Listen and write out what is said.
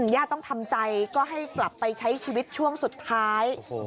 ญาติต้องทำใจก็ให้กลับไปใช้ชีวิตช่วงสุดท้าย